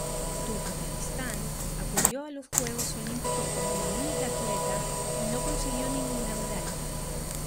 Turkmenistán acudió a los Juegos con una única atleta, y no consiguió ninguna medalla.